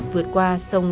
vượt qua sông